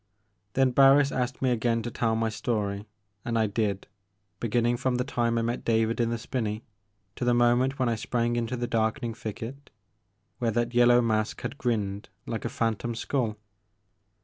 Then Barris asked me again to tell my story, and I did, beginning from the time I met David in the spinney to the mo ment when I sprang into the darkening thicket where that yellow mask had grinned like a phan tom sktdl.